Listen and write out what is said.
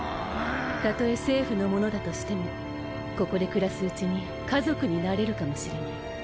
たとえ政府の者だとしてもここで暮らすうちに家族になれるかもしれない。